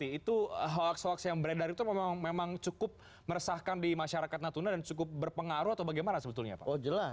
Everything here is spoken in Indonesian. itu hoax hoax yang beredar itu memang cukup meresahkan di masyarakat natuna dan cukup berpengaruh atau bagaimana sebetulnya pak